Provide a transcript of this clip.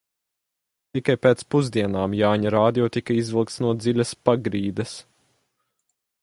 "Tikai pēc pusdienām Jāņa radio tika izvilkts no dziļas "pagrīdes"."